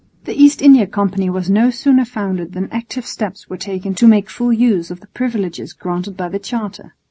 The East India Company was no sooner founded than active steps were taken to make full use of the privileges granted by the Charter.